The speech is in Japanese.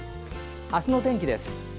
明日の天気です。